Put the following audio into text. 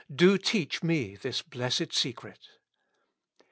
do teach me this blessed secret.